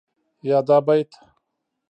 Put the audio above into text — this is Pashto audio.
يا دا بيت